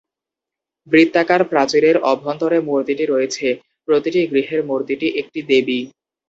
বৃত্তাকার প্রাচীরের অভ্যন্তরে মূর্তিটি রয়েছে, প্রতিটি গৃহের মূর্তিটি একটি দেবী।